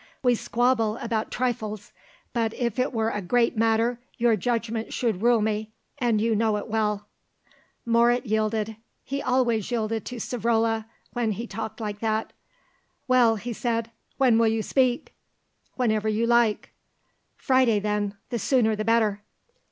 We squabble about trifles, but if it were a great matter, your judgment should rule me, and you know it well." Moret yielded. He always yielded to Savrola when he talked like that. "Well," he said, "when will you speak?" "Whenever you like." "Friday, then, the sooner the better."